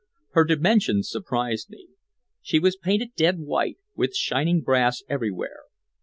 Her dimensions surprised me. She was painted dead white, with shining brass everywhere.